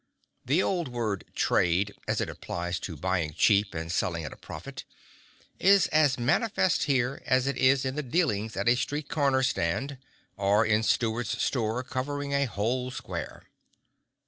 The old word "trade" as it applies to buying cheap and selling at a profit, is as manifest here as it is in the dealings at a street comer stand or in Stewart's store covering a whole square.